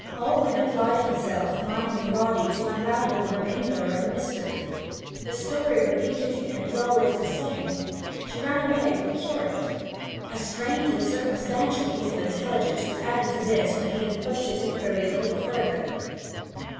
Alwyn applied himself body and mind to unravel the remainder of the mystery. The story repeated to him was always the same: 'She ran away with the curate.' A strangely circumstantial piece of intelligence was added to this when he had pushed his inquiries a little further.